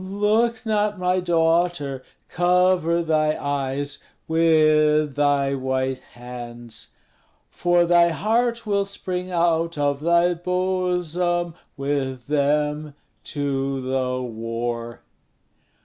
Look not, my daughter! cover thy eyes, With thy white hands, For thy heart will spring out of thy bosom With them to the war."